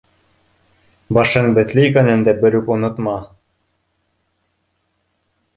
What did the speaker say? Башың бетле икәнен дә берүк онотма!